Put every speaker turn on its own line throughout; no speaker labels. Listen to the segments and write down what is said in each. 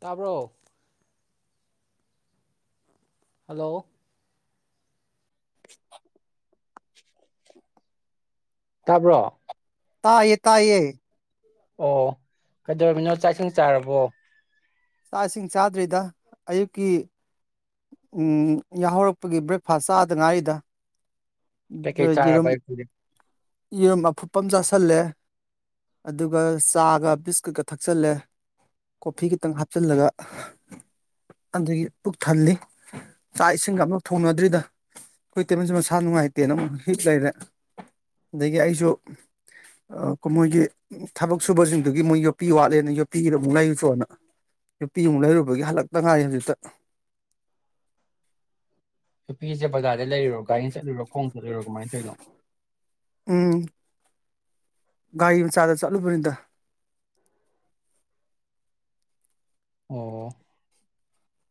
ꯇꯥꯕ꯭ꯔꯣ ꯍꯜꯂꯣ ꯇꯥꯕ꯭ꯔꯣ
ꯇꯥꯌꯦ ꯇꯥꯌꯦ
ꯑꯣ ꯀꯩꯗꯧꯃꯤꯅꯣ ꯆꯥꯛ ꯏꯁꯤꯡ ꯆꯥꯔꯕꯣ
ꯆꯥꯛ ꯏꯁꯤꯡ ꯆꯥꯗ꯭ꯔꯤꯗ ꯑꯌꯨꯛꯀꯤ ꯎꯝ ꯌꯥꯍꯧꯔꯛꯄꯒꯤ ꯕ꯭ꯔꯦꯛꯐꯥꯁ ꯆꯥꯗ ꯉꯥꯏꯔꯤꯗ
ꯀꯩ ꯀꯩ
ꯌꯦꯔꯨꯝ
ꯆꯥꯔꯄꯥꯏ ꯐꯗꯤ
ꯌꯦꯔꯨꯝ ꯑꯐꯨꯠꯄ ꯑꯃ ꯆꯥꯥꯁꯜꯂꯦ ꯑꯗꯨꯒ ꯆꯥꯒ ꯕꯤꯁꯀꯤꯠꯀ ꯊꯛꯆꯤꯜꯂꯦ ꯀꯣꯐꯤ ꯈꯤꯇꯪ ꯍꯥꯞꯆꯤꯜꯂꯒ ꯑꯗꯒꯤ ꯊꯜꯂꯤ ꯆꯥꯛ ꯏꯁꯤꯡꯒ ꯑꯃꯛ ꯊꯣꯡꯅꯗ꯭ꯔꯤꯗ ꯑꯩꯈꯣꯏ ꯇꯦꯕꯜꯁꯦ ꯃꯁꯥ ꯅꯨꯡꯉꯥꯏꯇꯦꯅ ꯑꯃꯛ ꯍꯤꯠ ꯂꯩꯔꯦ ꯑꯗꯒꯤ ꯑꯩꯁꯨ ꯫ ꯃꯣꯏꯒꯤ ꯊꯕꯛ ꯁꯨꯕꯁꯤꯡꯗꯨꯒꯤ ꯃꯣꯏ ꯌꯣꯠꯄꯤ ꯋꯥꯠꯂꯦꯅ ꯌꯣꯠꯄꯤꯒꯤꯗ ꯑꯃꯨꯛ ꯂꯩꯔꯁꯨꯅ ꯅꯨꯄꯤ ꯑꯃꯨꯛ ꯂꯩꯔꯨꯕꯒꯤ ꯍꯜꯂꯛꯇ ꯉꯥꯏ ꯍꯧꯖꯤꯛꯇ
ꯑꯩꯁꯦ ꯕꯖꯥꯔꯗ ꯂꯩꯔꯨꯔꯣ ꯒꯥꯔꯤ ꯆꯠꯂꯨꯔꯣ ꯈꯣꯡ ꯆꯠꯂꯨꯔꯣ ꯀꯃꯥꯏꯅ ꯇꯧꯔꯤꯅꯣ
ꯎꯝ ꯒꯥꯔꯤ ꯑꯃ ꯆꯥꯗ ꯆꯠꯂꯨ ꯄꯗ
ꯑꯣ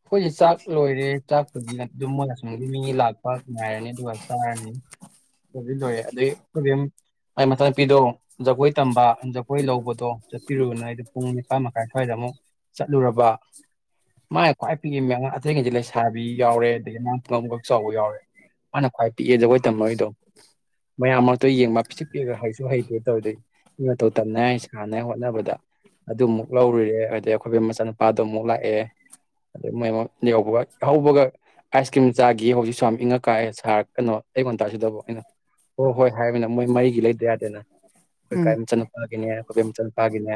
ꯑꯩꯈꯣꯏꯁꯦ ꯆꯥꯛ ꯂꯣꯏꯔꯦ c ꯆꯥꯛꯄꯗꯤꯅ ꯑꯗꯨꯝ ꯃꯣꯏꯅ ꯁꯨꯝ ꯑꯗꯨ ꯃꯤꯅꯤ ꯂꯥꯛ ꯄꯥꯛ ꯉꯥꯏꯔꯅꯤ ꯑꯗꯨꯒ ꯆꯥꯔꯅꯤ ꯑꯗꯨꯗꯤ ꯂꯣꯏꯔꯦ ꯑꯗꯨꯗꯤꯝ ꯑꯩ ꯃꯆꯥ ꯅꯨꯨꯄꯤꯗꯣ ꯖꯒꯣꯏ ꯇꯝꯕ ꯖꯒꯣꯏ ꯂꯧꯕꯗꯣ ꯆꯠꯄꯤꯔꯨꯅ ꯑꯩꯗꯣ ꯄꯨꯡ ꯅꯤꯄꯥꯟ ꯃꯈꯥꯏ ꯁ꯭ꯋꯥꯏꯗ ꯑꯃ ꯆꯠꯂꯨꯔꯕ ꯃꯥꯥꯏ ꯈ꯭ꯋꯥꯏ ꯄꯤꯛꯏ ꯃ ꯑꯊꯇꯩꯩꯁꯤ ꯂꯩꯁꯥꯕꯤ ꯌꯥꯎꯔꯦ ꯑꯗꯒꯤ ꯃꯥꯈꯛ ꯆꯥꯎꯕ ꯌꯥꯎꯔꯦ ꯃꯥꯅ ꯈ꯭ꯋꯥꯏ ꯄꯤꯛꯑꯦ ꯖꯒꯣꯏ ꯇꯝꯃꯣꯏꯗꯣ ꯃꯌꯥꯝ ꯃꯔꯛꯇꯣ ꯌꯦꯡꯕ ꯄꯤꯁꯤꯛ ꯄꯤꯛꯑꯒ ꯍꯩꯁꯨ ꯍꯩꯇꯦ ꯇꯧꯗꯣꯏ ꯃꯇꯧ ꯇꯝꯅꯉ ꯁꯥꯟꯅꯉꯥꯏ ꯍꯣꯠꯅꯕꯗ ꯑꯗꯨꯃꯨꯛ ꯂꯧꯔꯨꯔꯦ ꯍꯥꯏꯗꯤ ꯑꯩꯈꯣꯏꯒꯤ ꯃꯆꯥꯅꯨꯄꯥꯗꯣꯃꯨꯛ ꯂꯥꯛꯑꯦ ꯑꯗꯨ ꯃꯣꯏ ꯌꯧꯕꯒ ꯍꯧꯕꯒ ꯑꯥꯏꯁ ꯀ꯭ꯔꯤꯝ ꯆꯥꯈꯤꯌꯦ ꯍꯧꯖꯤꯛꯁꯨ ꯌꯥꯝ ꯏꯪꯉꯛ ꯀꯥꯏꯑꯦ ꯁꯥꯔ ꯀꯩꯅꯣ ꯑꯌ ꯉꯟꯇꯥꯁꯤꯗꯕ ꯑꯩꯅ ꯍꯣꯏ ꯍꯣꯏ ꯍꯥꯏꯃꯤꯅ ꯃꯣꯏ ꯃꯔꯤꯒꯤ ꯂꯩꯇꯗꯤ ꯑꯩꯈꯣꯏ
ꯎꯝ
ꯀꯥꯏ ꯃꯆꯥ ꯅꯨꯨꯄꯥꯒꯤꯅꯦ ꯑꯩꯈꯣꯏꯕꯤ ꯃꯆꯥ ꯅꯨꯨꯄꯥꯒꯤꯅꯦ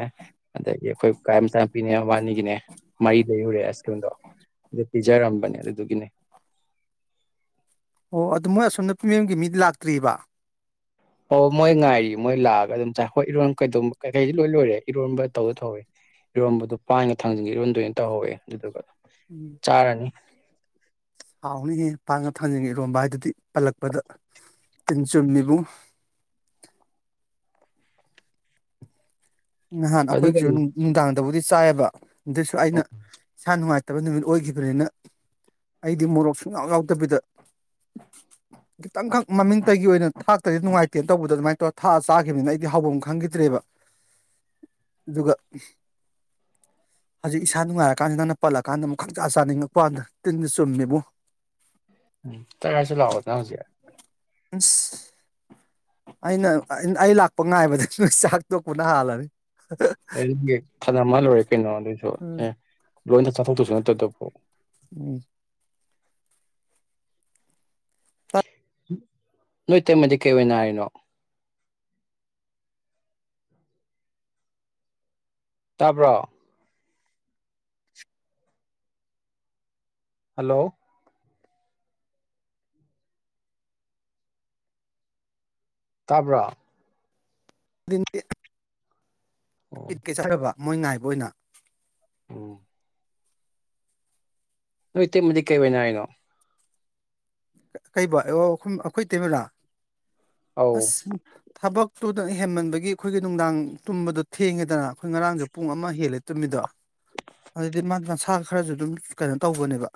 ꯑꯗꯒꯤ ꯑꯩꯈꯣꯏ ꯀꯥ ꯃꯆꯥ ꯅꯦ ꯋꯥꯅꯤꯒꯤꯅꯦ ꯃꯩ ꯂꯩꯍꯨꯔꯦ ꯑꯁꯀꯤꯌꯟꯗꯣ ꯑ ꯄꯤꯖꯔꯝꯕꯅꯦ ꯑꯗꯨꯗꯨꯒꯤꯅꯦ
ꯑꯣ ꯑꯗꯨ ꯃꯣꯏ ꯑꯁꯣꯝ ꯅꯨꯄꯤ ꯃꯦꯝꯒꯤ ꯃꯤꯗꯤ ꯂꯥꯛꯇ꯭ꯔꯤꯕ
ꯄꯧ ꯃꯣꯏ ꯉꯥꯏꯔꯤ ꯃꯣꯏ ꯂꯥꯛꯑꯒ ꯑꯗꯨꯝ ꯆꯥꯏ ꯍꯣꯏ ꯏꯔꯣꯟ ꯀꯩꯗ ꯀꯩ ꯀꯩꯁꯤ ꯂꯣꯏ ꯂꯣꯏꯔꯦ ꯏꯔꯣꯟꯕ ꯇꯧꯗ ꯇꯧꯋꯦ ꯏꯔꯣꯟꯝꯕꯗꯨ ꯄꯥꯏꯒ ꯊꯥꯡꯖꯤꯟꯒꯦ ꯏꯔꯣꯟꯝꯗꯣꯅ ꯇꯧꯍꯧꯋꯦ ꯑꯗꯨꯒꯗꯨ
ꯎꯝ ꯍꯥꯎꯅꯤ ꯍꯦ ꯄꯥꯛꯅ ꯊꯥꯡꯖꯅꯤꯡꯉꯤ ꯏꯔꯣꯝꯕ ꯍꯥꯏꯗꯨꯗꯤ ꯄꯜꯂꯛꯄꯗ ꯇꯤꯟ ꯆꯨꯝꯃꯤꯕꯨꯨꯡ
[unintelligible]
ꯅꯍꯥꯟ
ꯑꯗꯨꯒ
ꯑꯩꯈꯣꯏꯒꯤꯁꯨ
ꯎꯝ
ꯅꯨꯡꯗꯥꯡꯗꯕꯨꯗꯤ ꯆꯥꯏꯌꯦꯕ ꯑꯗꯨꯁꯨ ꯑꯩꯅ ꯏꯁꯥ ꯅꯨꯡꯉꯥꯏ ꯐꯠꯇꯕ ꯅꯨꯃꯤꯠ ꯑꯣꯏꯈꯤꯕꯅꯤꯅ ꯑꯩꯗꯤ ꯃꯣꯔꯣꯛ ꯁꯨꯡꯍꯥꯎ ꯌꯥꯎꯗꯕꯤꯗ ꯈꯤꯇꯪꯈꯛ ꯃꯃꯤꯡꯇꯒꯤ ꯑꯣꯏꯅ ꯊꯥꯛꯇꯗꯤ ꯅꯨꯡꯉꯥꯏꯇꯦꯅ ꯇꯧꯕꯗ ꯑꯗꯨꯃꯥꯏꯅ ꯇꯧꯔꯒ ꯊꯥꯛꯑ ꯆꯥꯈꯤꯕꯅꯤꯅ ꯑꯩꯗꯤ ꯍꯥꯎꯐꯝ ꯈꯪꯈꯤꯗ꯭ꯔꯦꯕ
[inaudible] [unintelligible]
ꯌꯒꯥ ꯍꯧꯖꯤꯛ ꯏꯁꯥ ꯅꯨꯡꯉꯥꯏꯔꯀꯥꯟꯁꯤꯗ ꯅꯪꯅ ꯄꯜꯂꯀꯥꯟꯗ ꯑꯃꯨꯛ ꯈꯪ ꯆꯥ ꯆꯥꯅꯤꯡꯉꯛꯄ ꯀꯥꯟꯗ ꯇꯤꯟꯗ ꯆꯨꯝꯃꯦꯕ
ꯎꯝ ꯇꯥꯏꯒꯥꯏꯁꯤ ꯑꯗ ꯅꯖꯤ
ꯑꯁ ꯑꯩꯅ ꯑꯩ ꯂꯥꯛꯄ ꯉꯥꯏꯕꯗꯒꯤ ꯅꯣꯏ ꯆꯥꯛ ꯇꯣꯛꯄꯅ ꯍꯥꯜꯂꯅꯤ
ꯑꯦ ꯐꯅ ꯃꯥꯜꯂꯨꯔꯦ ꯀꯩꯅꯣ ꯑꯗꯨꯏꯁꯨ
ꯎꯝ
ꯑꯦ ꯂꯣꯏꯗ ꯆꯥꯊꯣꯛꯇꯁꯨ ꯅꯠꯇꯗꯐꯥꯎ
ꯎꯝ
ꯅꯣꯏ ꯇꯦꯝꯃꯗꯤ ꯀꯩ ꯑꯣꯏꯅ ꯍꯥꯏꯔꯤꯅꯣ ꯇꯥꯕ꯭ꯔꯣ ꯍꯜꯂꯣ ꯇꯥꯕ꯭ꯔꯥ
ꯏꯠꯀ ꯆꯥꯔꯕ ꯃꯣꯏ ꯉꯥꯏꯕ ꯑꯣꯏꯅ
ꯎꯝ ꯅ ꯏꯇꯩꯃꯗꯤ ꯀꯩꯅꯤ ꯍꯥꯏꯔꯤꯅꯣ
ꯀꯩ ꯑꯩꯈꯣꯏ ꯇꯤꯃꯦꯔꯥ
ꯑꯧ
ꯑꯁ ꯊꯕꯛ ꯇꯨꯗꯅ ꯍꯦꯟꯃꯟꯕꯒꯤ ꯑꯩꯈꯣꯏꯒꯤ ꯅꯨꯡꯗꯥꯡ ꯇꯨꯝꯕꯗꯣ ꯊꯦꯡꯉꯦꯗꯅ ꯑꯩꯈꯣꯏ ꯉꯔꯥꯡꯁꯨ ꯄꯨꯡ ꯑꯃ ꯍꯦꯜꯂꯦ ꯇꯨꯝꯃꯤꯗꯣ ꯑꯗꯨꯗꯤ ꯃꯥ ꯃꯁꯥ ꯈꯔꯁꯨ ꯑꯗꯨꯝ ꯀꯩꯅꯣ ꯇꯧꯕꯅꯦꯕ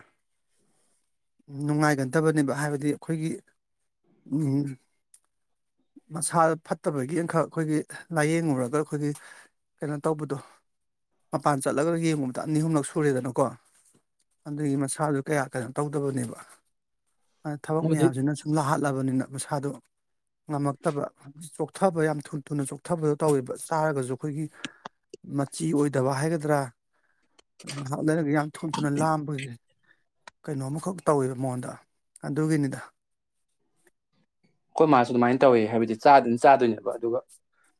ꯅꯨꯡꯉꯥꯏꯒꯗꯕꯅꯦꯕ ꯍꯥꯏꯕꯗꯤ ꯑꯩꯈꯣꯏꯒꯤ ꯃꯁꯥ ꯐꯠꯇꯕꯒꯤ ꯑꯃꯈꯛ ꯑꯩꯈꯣꯏꯒꯤ ꯂꯥꯏꯌꯦꯡꯉꯨꯔꯒ ꯑꯩꯈꯣꯏꯒꯤ ꯀꯩꯅꯣ ꯇꯧꯕꯗꯣ ꯃꯄꯥꯟ ꯆꯠꯂꯒ ꯌꯦꯡꯉꯨꯕꯗ ꯑꯅꯤ ꯑꯍꯨꯝꯂꯛ ꯁꯨꯔꯦꯗꯅꯀꯣ ꯑꯗꯨꯒꯤ ꯃꯁꯥꯁꯨ ꯀꯌꯥ ꯀꯩꯅꯣ ꯇꯧꯗꯕꯅꯦꯕ ꯑ ꯊꯕꯛ
ꯃꯣꯏꯗꯤ
ꯃꯌꯥꯝꯁꯤꯅ ꯁꯨꯝ ꯂꯥꯛꯍꯜꯂ ꯆꯠꯂꯕꯅꯤꯅ ꯃꯁꯥꯗꯣ ꯉꯝꯃꯛꯇꯕ ꯆꯣꯛꯊꯕ ꯌꯥꯝ ꯊꯨꯅ ꯊꯨꯅ ꯆꯣꯛꯊꯕꯗꯣ ꯇꯧꯋꯦꯕ ꯆꯥꯔꯒꯁꯨ ꯑꯩꯈꯣꯏꯒꯤ ꯃꯆꯤ ꯑꯣꯏꯗꯕ ꯍꯥꯏꯒꯗ꯭ꯔꯥ ꯑꯗꯨ ꯉꯥꯏꯍꯥꯛ ꯂꯩꯔꯒ ꯌꯥꯝ ꯊꯨꯝ ꯊꯨꯅ ꯂꯥꯝꯕꯁꯦ ꯀꯩꯅꯣ ꯑꯃꯈꯛ ꯇꯧꯋꯦꯕ ꯃꯉꯣꯟꯗ ꯑꯗꯨꯒꯤꯅꯤꯗ
ꯍꯣꯏ ꯃꯥꯁꯨ ꯑꯗꯨꯃꯥꯏꯅ ꯇꯧꯋꯦ ꯍꯥꯏꯕꯗꯤ ꯆꯥꯗꯣꯏꯅ ꯆꯥꯗꯣꯏꯅꯦꯕ ꯑꯗꯨꯒ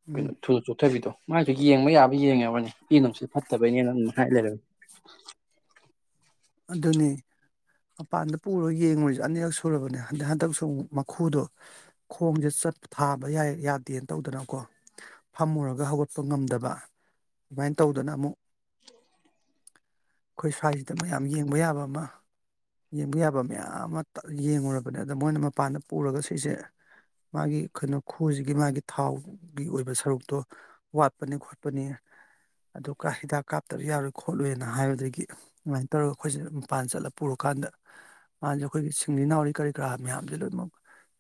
ꯎꯝ
ꯀꯩꯅꯣ ꯊꯨꯅ ꯆꯣꯛꯊꯕꯤꯗꯣ ꯃꯥꯏꯁꯨ ꯌꯦꯡꯕ ꯌꯥꯕ ꯌꯦꯡꯉꯕꯅꯤ ꯏ ꯑꯗꯨꯅꯨꯡꯁꯤ ꯐꯠꯇꯕꯩꯅꯦꯅ ꯑꯗꯨꯝ ꯍꯥꯏ ꯂꯩꯔꯒ
ꯑꯗꯨꯅꯦ ꯃꯄꯥꯟꯗ ꯄꯨꯔꯒ ꯌꯦꯡꯉꯨꯔꯁꯦ ꯑꯅꯤꯈꯛ ꯁꯨꯔꯕꯅꯦ ꯍꯟꯗꯛ ꯍꯟꯗꯛꯁꯨ ꯃꯈꯨꯗꯣ ꯈꯣꯡꯁꯦ ꯆꯠ ꯊꯥꯕ ꯌꯥꯗꯦꯅ ꯇꯧꯗꯅꯀꯣ ꯐꯝꯃꯨꯔꯒ ꯍꯧꯒꯠꯄ ꯉꯝꯗꯕ ꯑꯗꯨꯃꯥꯏꯅ ꯇꯧꯗꯅ ꯑꯃꯨꯛ ꯑꯩꯈꯣꯏ ꯁ꯭ꯋꯥꯏꯁꯤꯗ ꯌꯥꯝ ꯌꯦꯡꯕ ꯌꯥꯕ ꯑꯃ ꯌꯦꯡꯕ ꯌꯥꯕ ꯃꯌꯥꯝ ꯑꯃ ꯌꯦꯡꯉꯨꯔꯕꯅꯦ ꯑꯗ ꯃꯣꯏꯅ ꯃꯄꯥꯟꯗ ꯄꯨꯔꯒ ꯁꯤꯁꯦ ꯃꯥꯒꯤ ꯀꯩꯅꯣ ꯈꯨꯁꯤꯒꯤ ꯃꯥꯒꯤ ꯊꯥꯎꯒꯤ ꯑꯣꯏꯕ ꯁꯔꯨꯛꯇꯣ ꯋꯥꯠꯄꯅꯤ ꯈꯣꯠꯄꯅꯤ ꯑꯗꯨꯒ ꯍꯤꯗꯥꯛ ꯀꯥꯞꯇꯔ ꯌꯥꯔꯣꯏ ꯈꯣꯠꯂꯨꯅ ꯍꯥꯏꯕꯗꯒꯤ ꯑꯗꯨꯃꯥꯏꯅ ꯇꯧꯔꯒ ꯑꯩꯈꯣꯏꯁꯤꯅ ꯃꯄꯥꯟ ꯆꯠꯂꯒ ꯄꯨꯔꯀꯥꯟꯗ ꯃꯥꯁꯦ ꯑꯩꯈꯣꯏꯒꯤ ꯁꯤꯡꯂꯤ ꯅꯥꯎꯔꯤ ꯀꯔꯤ ꯀꯔꯥ ꯃꯌꯥꯝꯁꯦ ꯂꯣꯏꯅꯃꯛ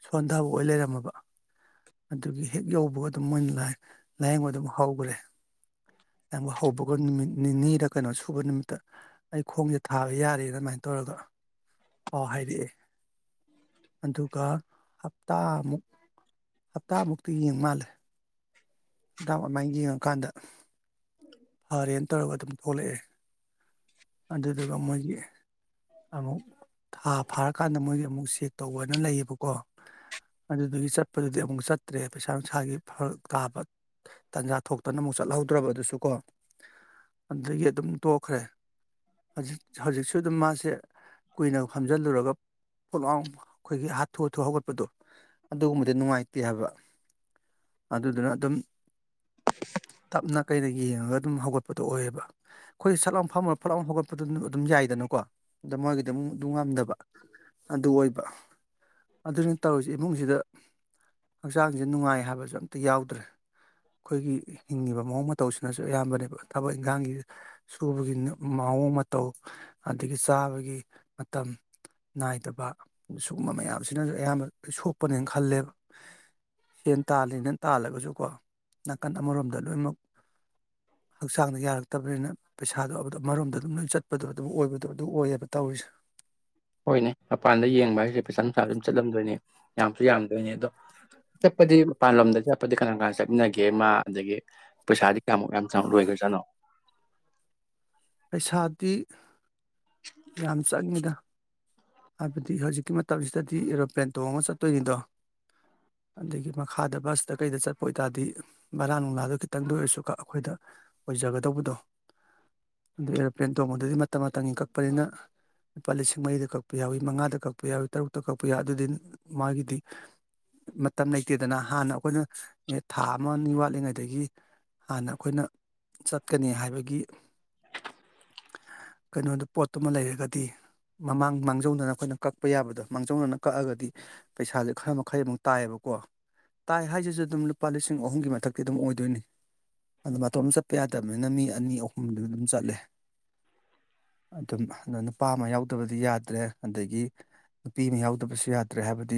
ꯁꯣꯟꯊꯕ ꯑꯣꯏꯅ ꯂꯩꯔꯝꯃꯕ ꯑꯗꯨꯒꯤ ꯍꯦꯛ ꯌꯧꯕ ꯑꯗꯨꯝ ꯃꯣꯏꯅ ꯂꯥꯏꯌꯦꯡꯕ ꯑꯗꯨꯝ ꯍꯧꯈ꯭ꯔꯦ ꯑꯩꯕꯨ ꯍꯧꯕꯒ ꯅꯨꯃꯤꯠ ꯅꯤꯅꯤꯗ ꯀꯩꯅꯣ ꯁꯨꯕ ꯅꯨꯃꯤꯠꯇ ꯑꯩ ꯈꯣꯡꯁꯦ ꯊꯥꯕ ꯌꯥꯔꯦ ꯑꯗꯨꯃꯥꯏꯅ ꯇꯧꯔꯒ ꯄꯥꯎ ꯍꯥꯏꯔꯛꯑꯦ ꯑꯗꯨꯒ ꯍꯞꯇꯥꯃꯨꯛ ꯍꯞꯇꯥꯃꯨꯛꯇꯤ ꯌꯦꯡ ꯃꯥꯜꯂꯦ ꯟꯗꯥꯝ ꯑꯗꯨꯃꯥꯏ ꯌꯦꯡꯉꯀꯥꯟꯗ ꯐꯔꯦꯅ ꯇꯧꯔꯒ ꯑꯗꯨꯝ ꯊꯣꯛꯂꯛꯑꯦ ꯑꯗꯨꯗꯗꯨꯀ ꯃꯖꯒꯤ ꯑꯃꯨꯛ ꯊꯥ ꯐꯥꯔꯀꯥꯟꯗ ꯃꯣꯏꯁ ꯑꯃꯨꯛ ꯆꯦꯛ ꯇꯧꯕꯅ ꯂꯩꯌꯦꯕꯀꯣ ꯑꯗꯨꯗꯨꯒꯤ ꯆꯠꯄꯗꯨꯗꯤ ꯑꯃꯨꯛ ꯆꯠꯇ꯭ꯔꯦ ꯄꯩꯁꯥ ꯅꯨꯡꯁꯥꯒꯤ ꯐꯔꯛ ꯇꯥꯕ ꯇꯟꯖꯥ ꯊꯣꯛꯇꯅ ꯑꯃꯨꯛ ꯆꯠꯍꯧꯗ꯭ꯔꯕ ꯑꯗꯨꯁꯨ ꯀꯣ ꯑꯗꯨꯗꯒꯤ ꯑꯗꯨꯝ ꯇꯣꯛꯈ꯭ꯔꯦ ꯍꯧꯖꯤ ꯍꯧꯖꯤꯛꯁꯨ ꯑꯗꯨꯝ ꯃꯥꯁꯦ ꯀꯨꯏꯅ ꯐꯝꯖꯤꯜꯂꯨꯔꯒ ꯄꯣꯠꯂꯥꯡ ꯑꯩꯈꯣꯏꯒꯤ ꯍꯥꯊꯨ ꯍꯥꯊꯨ ꯍꯧꯒꯠꯄꯗꯣ ꯑꯗꯨꯒꯨꯝꯕꯗꯤ ꯅꯨꯡꯉꯥꯏꯇꯦ ꯍꯥꯏꯕ ꯑꯗꯨꯗꯨꯅꯝ ꯇ ꯑꯗꯨꯝ ꯍꯧꯒꯠꯄꯗꯣ ꯑꯣꯏꯌꯦꯕ ꯑꯩꯈꯣꯏ ꯁꯛꯂꯥꯎ ꯐꯝꯃꯔ ꯐꯠꯂꯥꯎ ꯍꯧꯒꯠꯄꯗꯨ ꯑꯗꯨꯝ ꯌꯥꯏꯗꯅꯀꯣ ꯑꯗ ꯃꯣꯏꯒꯤꯗꯤꯝ ꯑꯗꯨ ꯉꯝꯗꯕ ꯑꯗꯨ ꯑꯣꯏꯕ ꯑꯗꯨꯅ ꯇꯧꯔꯤꯁꯤ ꯏꯃꯨꯡꯁꯤꯗ ꯍꯛꯆꯥꯡꯁꯦ ꯅꯨꯡꯉꯥꯏ ꯍꯥꯏꯕꯁꯨ ꯑꯝꯇ ꯌꯥꯎꯗ꯭ꯔꯦ ꯑꯩꯈꯣꯏꯒꯤ ꯍꯤꯡꯉꯤꯕ ꯃꯑꯣꯡ ꯃꯇꯧꯁꯤꯅꯁꯨ ꯁ ꯑꯌꯥꯝꯕꯅꯦꯕ ꯊꯕꯛ ꯏꯟꯈꯥꯡꯒꯤ ꯁꯨꯕꯒꯤ ꯃꯑꯣꯡ ꯃꯇꯧ ꯑꯗꯒꯤ ꯆꯥꯕꯒꯤ ꯃꯇꯝ ꯅꯥꯏꯗꯕ ꯁꯒꯨꯝꯕ ꯃꯌꯥꯝꯁꯤꯅꯁꯨ ꯑꯌꯥꯝꯕ ꯁꯣꯛꯄꯅꯦꯅ ꯈꯜꯂꯦꯕ ꯁꯦꯟ ꯇꯥꯜꯂꯤꯅ ꯇꯥꯜꯂꯒꯁꯨꯀꯣ ꯅꯥꯀꯟ ꯑꯃꯔꯣꯝꯗ ꯂꯣꯏꯅꯃꯛ ꯍꯛꯆꯥꯡꯗ ꯌꯥꯔꯛꯇꯕꯅꯤꯅ ꯄꯩꯁꯥꯗꯣ ꯑꯃꯔꯣꯝꯗ ꯑꯗꯨꯝ ꯂꯣꯏ ꯆꯠꯄꯗꯣ ꯑꯗꯨ ꯑꯣꯏꯕꯗꯣ ꯑꯗꯨ ꯑꯣꯏꯌꯦꯕ ꯇꯧꯔꯤꯁꯦ
[unintelligible] ꯍꯣꯏꯅꯦ ꯃꯄꯥꯟꯗ ꯌꯦꯡꯕ ꯍꯥꯏꯁꯦ ꯄꯩꯁꯥ ꯅꯨꯡꯁꯥ ꯑꯗꯨꯝ ꯆꯠꯂꯝꯗꯣꯏꯅꯦ ꯌꯥꯝꯁꯨ ꯌꯥꯝꯗꯣꯏꯅꯦ ꯑꯗꯣ ꯆꯠꯄꯗꯤ ꯃꯄꯥꯟꯂꯣꯝꯗ ꯆꯠꯄꯗꯤ ꯀꯅꯥ ꯀꯅꯥ ꯆꯠꯃꯤꯟꯅꯒꯦ ꯃꯥ ꯑꯗꯒꯤ ꯄꯩꯁꯥꯗꯤ ꯀꯌꯥꯃꯨꯛ ꯌꯥꯝ ꯆꯥꯎ ꯂꯣꯏꯒꯗꯦ ꯁꯅ
ꯄꯩꯁꯥꯗꯤ ꯌꯥꯝ ꯆꯪꯉꯤꯗ ꯍꯥꯏꯕꯗꯤ ꯍꯧꯖꯤꯛꯀꯤ ꯃꯇꯝꯁꯤꯗꯗꯤ ꯑꯦꯔꯣꯄ꯭ꯂꯦꯟ ꯇꯣꯡꯉ ꯆꯠꯇꯣꯏꯅꯤꯗꯣ ꯑꯗꯒꯤ ꯃꯈꯥꯗ ꯕꯁꯇ ꯀꯩꯗ ꯆꯠꯄ ꯑꯣꯏꯇꯥꯥꯔꯗꯤ ꯕꯔꯥ ꯅꯨꯡꯂꯥꯗꯣ ꯈꯤꯇꯪꯗ ꯑꯣꯏꯔꯁꯨ ꯑꯩꯈꯣꯏꯗ ꯑꯣꯏꯖꯒꯗꯧꯕꯗꯣ
[unintelligible]
ꯑꯗꯨ ꯑꯦꯔꯣꯄ꯭ꯂꯦꯟ ꯇꯣꯡꯕꯗꯗꯤ ꯃꯇꯝ ꯃꯇꯝꯒꯤ ꯀꯛꯄꯅꯤꯅ ꯂꯨꯄꯥ ꯂꯤꯁꯤꯡ ꯃꯔꯤꯗ ꯀꯛꯄ ꯌꯥꯎꯏ ꯃꯉꯥꯗ ꯀꯛꯄ ꯌꯥꯎꯏꯤ ꯇꯔꯨꯛꯇ ꯀꯛꯄ ꯌꯥꯎꯏ ꯑꯗꯨꯗꯤ ꯃꯥꯒꯤꯗꯤ ꯃꯇꯝ ꯂꯩꯇꯦꯗꯅ ꯍꯥꯟꯅ ꯑꯩꯈꯣꯏꯅ ꯊꯥ ꯑꯃ ꯑꯅꯤ ꯋꯥꯠꯂꯤꯉꯩꯗꯒꯤ ꯍꯥꯟꯅ ꯑꯩꯈꯣꯏꯅ ꯆꯠꯀꯅꯤ ꯍꯥꯏꯕꯒꯤ ꯀꯩꯅꯣꯗꯨ ꯄꯣꯠꯇꯨꯃ ꯂꯩꯔꯒꯗꯤ ꯃꯃꯥꯡ ꯃꯥꯡꯖꯧꯗꯅ ꯑꯩꯈꯣꯏꯅ ꯀꯛꯄ ꯌꯥꯕꯗꯣ ꯃꯥꯡꯖꯧꯅꯅ ꯀꯛꯑꯒꯗꯤ ꯄꯩꯁꯥꯁꯦ ꯈꯔ ꯃꯈꯩ ꯑꯃꯨꯛ ꯇꯥꯏꯌꯦꯕꯀꯣ ꯀꯣ ꯇꯥꯏ ꯍꯥꯏꯁꯤꯁꯨ ꯑꯗꯨꯝ ꯂꯨꯄꯥ ꯂꯤꯁꯤꯡ ꯑꯍꯨꯝꯒꯤ ꯃꯊꯛꯇꯤ ꯑꯗꯨꯝ ꯑꯣꯏꯗꯣꯏꯅꯤ ꯑꯗꯨ ꯃꯇꯣꯟꯝ ꯆꯠꯄ ꯌꯥꯗꯕꯅꯤꯅ ꯃꯤ ꯑꯅꯤ ꯑꯍꯨꯝꯗꯨꯅ ꯑꯗꯨꯝ ꯆꯠꯂꯦ ꯑꯗꯨꯝ ꯑꯗꯣ ꯅꯨꯄꯥ ꯑꯃ ꯌꯥꯎꯗꯕꯗꯤ ꯌꯥꯗ꯭ꯔꯦ ꯑꯗꯒꯤ ꯅꯨꯄꯤ ꯑꯃ ꯌꯥꯎꯗꯕꯁꯨ ꯌꯥꯗ꯭ꯔꯦ ꯍꯥꯏꯕꯗꯤ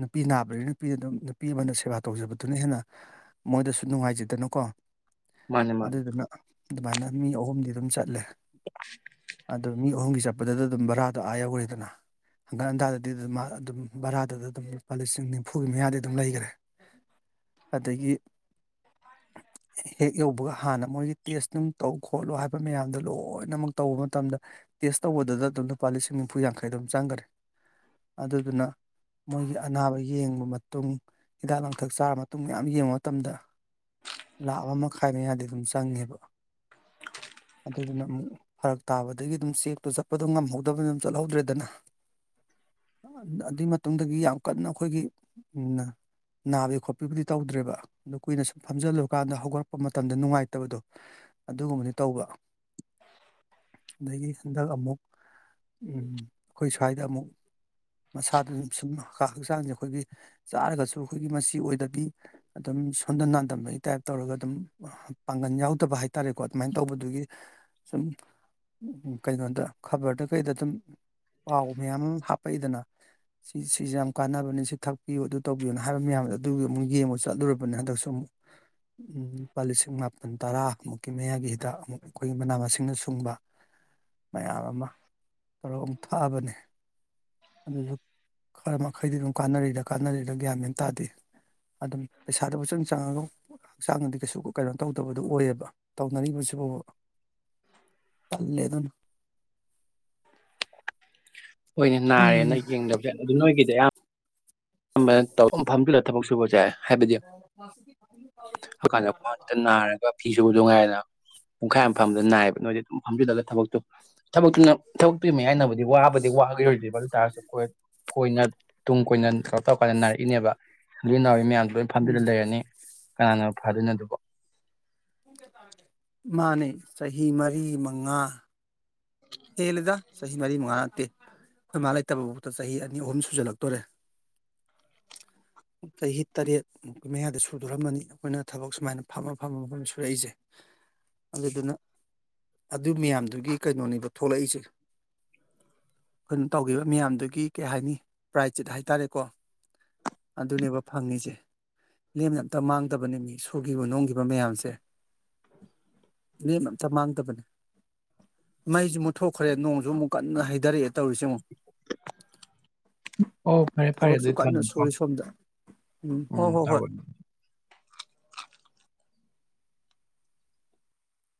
ꯅꯨꯄꯤ ꯅꯥꯕꯗꯒꯤ ꯅꯨꯄꯤꯗ ꯑꯗꯨꯝ ꯅꯨꯄꯤ ꯑꯃꯅ ꯁꯦꯕꯥ ꯇꯧꯖꯕꯗꯨꯅ ꯍꯦꯟꯅ ꯃꯣꯏꯗꯁꯨ ꯅꯨꯡꯉꯥꯏꯖꯗꯅꯀꯣ
ꯃꯥꯅꯦ ꯃꯥꯅꯦ
ꯑꯗꯨꯗꯨꯅ ꯑꯗꯨꯃꯥꯏꯅ ꯃꯤ ꯑꯍꯨꯝꯗꯤ ꯑꯗꯨꯝ ꯆꯠꯂꯦ ꯑꯣ ꯃꯤ ꯑꯍꯨꯝꯒꯤ ꯆꯠꯄꯗꯨꯗ ꯑꯗꯨꯝ ꯕꯔꯥꯗꯣ ꯑꯥ ꯌꯧꯈ꯭ꯔꯦꯗꯅ ꯍꯪꯒꯟ ꯍꯟꯗꯥꯗꯗꯤ ꯑꯗꯨꯝ ꯑꯗꯨꯝ ꯚꯔꯥꯗꯨ ꯑꯗꯨꯝ ꯂꯨꯄꯥ ꯂꯤꯁꯤꯡ ꯅꯤꯐꯨꯒꯤ ꯃꯌꯥꯥꯗꯤ ꯑꯗꯨꯝ ꯂꯩꯈ꯭ꯔꯦ ꯑꯗꯒꯤ ꯍꯦꯛ ꯌꯧꯕꯒ ꯍꯥꯟꯅ ꯃꯣꯏꯒꯤ ꯇꯦꯁ ꯅꯨꯡ ꯇꯧ ꯈꯣꯠꯂꯨ ꯍꯥꯏꯕ ꯃꯌꯥꯝꯗꯣ ꯂꯣꯏꯅꯃꯛ ꯇꯧꯕ ꯃꯇꯝꯗ ꯇꯦꯁ ꯇꯧꯕꯗꯨꯗ ꯑꯗꯨꯝ ꯂꯨꯄꯥ ꯂꯤꯁꯤꯡ ꯅꯤꯐꯨ ꯌꯥꯡꯈꯩ ꯑꯗꯨꯝ ꯆꯪꯈꯔꯦ ꯑꯗꯨꯗꯨꯅ ꯃꯣꯏꯒꯤ ꯑꯅꯥꯕ ꯌꯦꯡꯕ ꯃꯇꯨꯡ ꯍꯤꯗꯥꯛ ꯂꯥꯡꯊꯛ ꯆꯥꯔꯕ ꯃꯇꯨꯡ ꯃꯌꯥꯝ ꯌꯦꯡꯕ ꯃꯇꯝꯗ ꯂꯥ ꯃꯈꯥꯏ ꯃꯌꯥꯗꯤ ꯑꯗꯨꯝ ꯆꯪꯉꯦꯕ
[unintelligible]
ꯑꯗꯨꯗꯨꯅ ꯑꯃꯨꯛ ꯐꯔꯛ ꯇꯥꯕꯗꯒꯤ ꯑꯗꯨꯝ ꯆꯦꯛꯇꯣ ꯆꯠꯄꯗꯣ ꯉꯝꯍꯧꯗꯕꯅꯤ ꯑꯗꯨꯝ ꯆꯠꯍꯧꯗ꯭ꯔꯦꯗꯅ
[unintelligible]
ꯑꯗꯨꯏ ꯃꯇꯨꯡꯗꯒꯤ ꯌꯥꯝ ꯀꯟꯅ ꯑꯩꯈꯣꯏꯒꯤ ꯎ ꯅꯥꯕ ꯈꯣꯠꯄꯤꯕꯨꯗꯤ ꯇꯧꯗ꯭ꯔꯦꯕ ꯑ ꯀꯨꯏꯅ ꯁꯨꯝ ꯐꯝꯖꯤꯜꯂꯨꯕ ꯀꯥꯟꯗ ꯍꯧꯒꯠꯂꯛꯄ ꯃꯇꯝꯗ ꯅꯨꯡꯉꯥꯏꯇꯕꯗꯣ ꯑꯗꯨꯒꯨꯝꯕꯅꯤ ꯇꯧꯕ ꯑꯗꯒꯤ ꯍꯟꯗꯛ ꯑꯃꯨꯛ ꯎꯝ ꯑꯩꯈꯣꯏ ꯁ꯭ꯋꯥꯏꯗ ꯑꯃꯨꯛ ꯃꯁꯥꯗ ꯑꯗꯨꯝ ꯁꯨꯝ ꯍꯛꯆꯥꯡꯁꯦ ꯑꯩꯈꯣꯏꯒꯤ ꯆꯥꯔꯒꯁꯨ ꯑꯩꯈꯣꯏꯒꯤ ꯃꯆꯤ ꯑꯣꯏꯗꯕꯤ ꯑꯗꯨꯝ ꯁꯣꯟꯗ ꯅꯥꯟꯗꯕꯒꯤ ꯇꯥꯏꯞ ꯇꯧꯔꯒ ꯑꯗꯨꯝ ꯄꯥꯡꯒꯜ ꯌꯥꯎ ꯐꯠꯇꯕ ꯍꯥꯏꯇꯥꯔꯦꯀꯣ ꯑꯗꯨꯃꯥꯏꯅ ꯇꯧꯕꯗꯨꯒꯤ ꯁꯨꯝ ꯀꯩꯅꯣꯗ ꯈꯕꯔꯗ ꯀꯩꯗ ꯑꯗꯨꯝ ꯄꯥꯎ ꯃꯌꯥꯝ ꯑꯃ ꯍꯥꯞꯄꯛꯏꯗꯅ ꯁꯤ ꯁꯤꯁꯦ ꯌꯥꯝ ꯀꯥꯟꯅꯕꯅꯤ ꯁꯤ ꯊꯛꯄꯤꯌꯨ ꯑꯗꯨ ꯇꯧꯕꯤꯌꯨꯅ ꯍꯥꯏꯕ ꯃꯌꯥꯝꯗꯣ ꯑꯗꯨꯒꯤ ꯑꯃꯨꯛ ꯌꯦꯡꯕ ꯆꯠꯂꯨꯔꯕꯅꯤ ꯍꯟꯗꯛꯁꯨ ꯑꯃꯨ ꯎꯝ ꯂꯨꯄꯥ ꯂꯤꯁꯤꯡ ꯃꯥꯄꯜ ꯇꯔꯥ ꯑꯃꯨꯛꯀꯤ ꯃꯌꯥꯏꯒꯤ ꯍꯤꯗꯥꯛ ꯑꯃꯨꯛ ꯑꯩꯈꯣꯏꯒꯤ ꯃꯅꯥ ꯃꯁꯤꯡꯅ ꯁꯨꯡꯕ ꯃꯌꯥꯝ ꯑꯃ ꯇꯔꯣ ꯑꯃꯨꯛ ꯊꯛꯑꯕꯅꯦ ꯑꯗꯨꯁꯨ ꯈꯔ ꯃꯈꯩꯗꯤ ꯑꯗꯨꯝ ꯀꯥꯟꯅꯔꯤꯗ ꯀꯥꯟꯅꯔꯤꯗ ꯒ꯭ꯌꯥꯟ ꯃ ꯇꯥꯗꯦ ꯑꯗꯨꯝ ꯄꯩꯁꯥꯗꯨꯕꯨ ꯁꯨꯝ ꯆꯪꯉꯒ ꯍꯛꯆꯥꯡꯗꯗꯤ ꯀꯩꯁꯨ ꯀꯩꯅꯣ ꯇꯧꯗꯕꯗꯨ ꯑꯣꯏꯌꯦꯕ ꯇꯧꯅꯔꯤꯕꯁꯤꯕꯨ ꯇꯜꯂꯦ ꯑꯗꯨꯅ
ꯍꯣꯏꯅꯦ
ꯎꯝ
ꯅꯥꯔꯦꯅ ꯌꯦꯡꯗꯕꯁꯦ ꯑꯗꯨ ꯅꯣꯏꯒꯤꯗꯤ ꯌꯥꯝ ꯐꯝꯗꯨꯂ ꯊꯕꯛ ꯁꯨꯕꯖꯥꯏ
[unintelligible]
ꯍꯥꯏꯀꯥꯟꯗ ꯈ꯭ꯋꯥ ꯈꯤꯇ ꯅꯥꯔꯒ ꯐꯤ ꯁꯨꯕ ꯑꯗꯨꯅꯨꯡꯉꯥꯏꯗꯅ ꯄꯨꯡꯈꯥꯏ ꯑꯃ ꯃꯐꯝꯗ ꯅꯥꯌꯦꯕ ꯅꯣꯏꯦ ꯑꯗꯨꯝ ꯐꯝꯁꯤꯜꯂꯒ ꯊꯕꯛꯇꯣ ꯊꯕꯅ ꯊꯕꯛ ꯄꯤꯕ ꯌꯥꯏꯅꯕꯗꯤ ꯋꯥꯕꯗꯤ ꯋꯥꯈꯤꯔꯣꯏꯗ꯭ꯔꯤꯕ ꯑꯗꯨ ꯇꯥꯔꯁꯨ ꯑꯩꯣꯏꯣꯏꯅ ꯇꯨꯡ ꯀꯣꯏꯅ ꯇꯧꯔ ꯇꯧꯔ ꯀꯥꯟꯗ ꯅꯥꯔꯛꯏꯅꯦꯕ ꯏ ꯏ ꯅꯥꯎꯏ ꯃꯌꯥꯝꯗꯣ ꯂꯣꯏꯅ ꯐꯝꯗꯨꯅ ꯂꯩꯔꯅꯤ ꯀꯅꯥꯅꯣ ꯐꯗꯣꯏꯅꯣ ꯑꯗꯨꯕꯣ
ꯃꯥꯅꯦ ꯆꯍꯤ ꯃꯔꯤ ꯃꯉꯥ ꯍꯗ ꯆꯍꯤ ꯃꯔꯤ ꯃꯉꯥ ꯅꯠꯇꯦ ꯑꯩꯈꯣꯏꯃꯥ ꯂꯩꯇꯕ ꯐꯥꯎꯗ ꯆꯍꯤ ꯑꯅꯤ ꯑꯍꯨꯝ ꯁꯨꯖꯜꯂꯛꯇꯣꯔꯦ ꯆꯍꯤ ꯇꯔꯦꯠ ꯃꯨꯛꯀꯤ ꯃꯌꯥꯏꯗ ꯁꯨꯗꯣꯔꯝꯃꯅꯤ ꯑꯩꯈꯣꯏꯅ ꯊꯕꯛ ꯁꯨꯃꯥꯏꯅ ꯐꯝꯃ ꯐꯝꯃꯝ ꯁꯨꯔꯛꯏꯁꯦ ꯑꯗꯨꯗꯨꯅ ꯑꯗꯨ ꯃꯌꯥꯝꯗꯨꯒꯤ ꯀꯩꯅꯣꯅꯦꯕ ꯊꯣꯛꯂꯛꯏꯁꯦ ꯑꯩꯈꯣꯏꯅ ꯇꯧꯈꯤꯕ ꯃꯌꯥꯝꯗꯨꯒꯤ ꯀꯩ ꯍꯥꯏꯅꯤ ꯄ꯭ꯔꯥꯏꯖ ꯆꯤꯠ ꯍꯥꯏꯇꯥꯔꯦꯀꯣ ꯑꯗꯨꯅꯦꯕ ꯐꯪꯉꯁꯦ ꯂꯦꯝꯅ ꯑꯝꯇ ꯃꯥꯡꯗꯕꯅꯦ ꯃꯤ ꯁꯨꯈꯤꯕ ꯅꯣꯡꯒꯤꯈꯤꯕ ꯃꯌꯥꯝꯁꯦ ꯃꯤ ꯑꯝꯇ ꯃꯥꯡꯗꯕꯅꯦ ꯃꯩꯁꯨ ꯃꯨꯠꯊꯣꯛꯈ꯭ꯔꯦ ꯅꯣꯡꯁꯨ ꯑꯃꯨꯛ ꯀꯟꯅ ꯍꯩꯊꯔꯛꯑꯦ ꯇꯧꯔꯤꯁꯦ ꯑꯃꯨꯛ
ꯐꯔꯦ, ꯐꯔꯦ.
ꯊꯕꯛꯁꯨ
ꯑꯗꯨꯗꯤ
ꯀꯟꯅ
ꯊꯝꯃꯦꯀꯣ.
ꯁꯣꯔꯤ ꯁꯝꯗ ꯎꯝ ꯍꯣꯏ ꯍꯣꯏ ꯍꯣꯏ